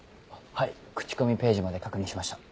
はい口コミページまで確認しました。